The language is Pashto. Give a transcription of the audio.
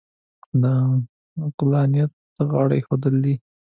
دا عقلانیت ته غاړه اېښودل دي.